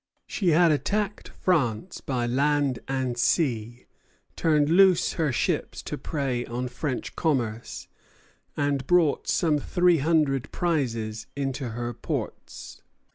She had attacked France by land and sea, turned loose her ships to prey on French commerce, and brought some three hundred prizes into her ports.